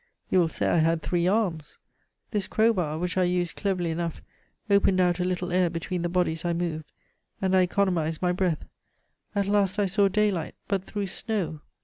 You will say I had three arms. This crowbar, which I used cleverly enough, opened out a little air between the bodies I moved, and I economized my breath. At last I saw daylight, but through snow!